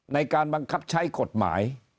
ในการบังคับใช้กฎหมาย